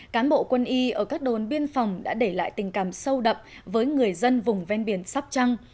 cán bộ quân y ở các đồn biên phòng đã để lại tình cảm sâu đậm với người dân vùng ven biển sắp trăng